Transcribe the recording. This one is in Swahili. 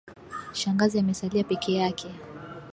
Shangazi amesalia peke yake